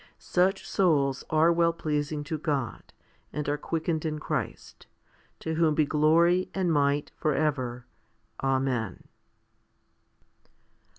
Such souls are well pleasing to God, and are quickened in Christ, to whom be glory and might for ever. Amen.